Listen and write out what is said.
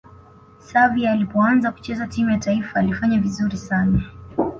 xavi alipoanza kucheza timu ya taifa alifanya vizuri sana